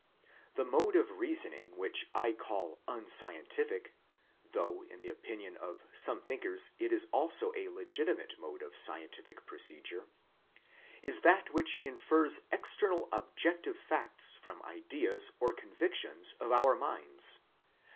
The mode of reasoning which I call unscientific, though in the opinion of some thinkers it is also a legitimate mode of scientific procedure, is that which infers external objective facts from ideas or convictions of our minds.